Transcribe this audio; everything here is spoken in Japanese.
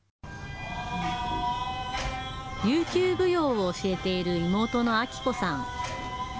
琉球舞踊を教えている妹の明子さん。